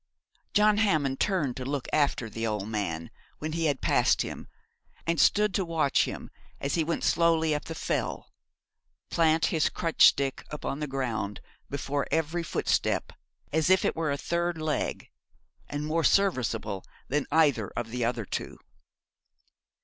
John Hammond turned to look after the old man when he had passed him, and stood to watch him as he went slowly up the Fell, plant his crutch stick upon the ground before every footstep, as if it were a third leg, and more serviceable than either of the other two.